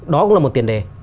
đó cũng là một tiền đề